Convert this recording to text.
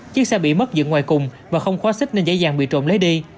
chiếc xe bị mất dựng ngoài cùng và không khóa xích nên dễ dàng bị trộm lấy đi